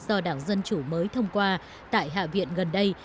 do đảng dân chủ mới thông qua tại hạ viện gần đây